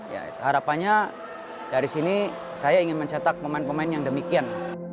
ya harapannya dari sini saya ingin mencetak pemain pemain yang demikian